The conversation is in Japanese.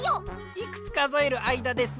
いくつかぞえるあいだです？